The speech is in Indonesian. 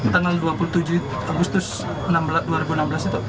tanggal dua puluh tujuh agustus dua ribu enam belas itu